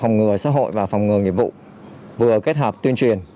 gọi vào phòng ngừa nghiệp vụ vừa kết hợp tuyên truyền